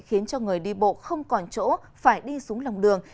khiến cho người đi bộ không còn chỗ phải đi xuống lòng đường